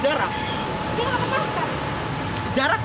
jarak sekarang nggak pengaruh